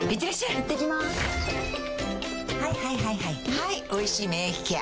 はい「おいしい免疫ケア」